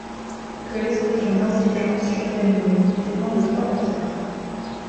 Que l'explosion d'intelligence survienne ou non dépend de trois facteurs.